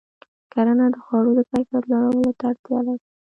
کرنه د خوړو د کیفیت لوړولو ته اړتیا لري.